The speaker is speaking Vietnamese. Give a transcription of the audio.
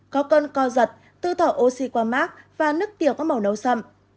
có cơn co giật tư thỏ oxy qua mát và nức tiểu có màu nấu sầm